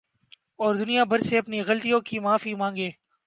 اور دنیا بھر سے اپنی غلطیوں کی معافی ما نگے